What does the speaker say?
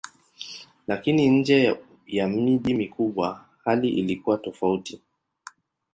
Lakini nje ya miji mikubwa hali ilikuwa tofauti.